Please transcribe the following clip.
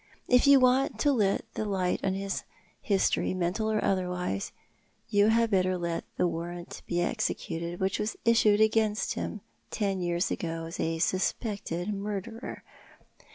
If you want to let the light in upon his history — mental or otlicrwise — you had better let the warrant be executed which was issued against him ten years ago as a susiiected murderer.